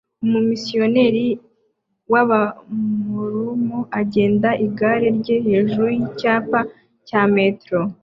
Umumisiyonari w'Abamorumo agenda igare rye hejuru yicyapa cya Metro